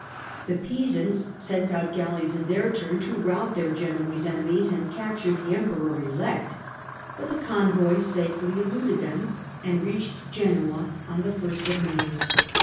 The Pisans sent out galleys in their turn to rout their Genoese enemies and capture the Emperor elect, but the convoy safely eluded them and reached Genoa on the ist of May.